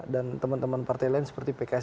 dan teman teman partai lain seperti pks